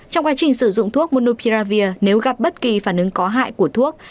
trong quá trình sử dụng thuốc munopiavir nếu gặp bất kỳ phản ứng có hại của thuốc